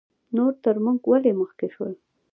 نور تر موږ ولې مخکې شول؟